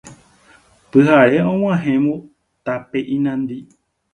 Pyhare og̃uahẽvo tape inandi